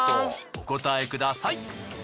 お答えください。